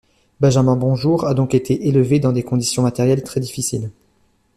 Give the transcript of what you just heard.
Benjamin Bonjour a donc été élevé dans des conditions matérielles très difficiles.